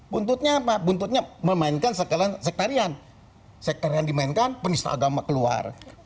buntutnya mabu buntutnya memainkan sekalian sekalian sekalian dimainkan penista agama keluar